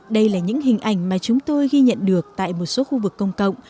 đây là những hình ảnh mà chúng tôi ghi nhận được tại một số khu vực công cộng